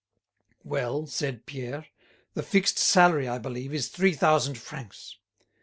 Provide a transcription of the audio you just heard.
"Well," said Pierre, "the fixed salary, I believe, is three thousand francs."